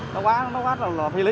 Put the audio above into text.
nó quá phi lý